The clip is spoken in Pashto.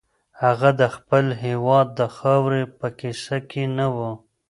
هغه د خپل هېواد د خاورې په کیسه کې نه و.